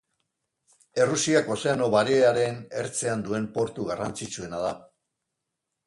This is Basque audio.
Errusiak Ozeano Barearen ertzean duen portu garrantzitsuena da.